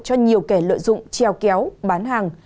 cho nhiều kẻ lợi dụng treo kéo bán hàng